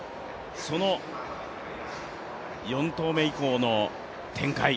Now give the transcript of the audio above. その４投目以降の展開